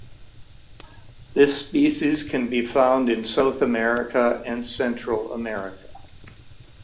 This species can be found in South America and Central America.